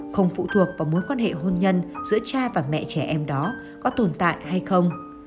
không phụ thuộc vào mối quan hệ hôn nhân giữa cha và mẹ trẻ em đó có tồn tại hay không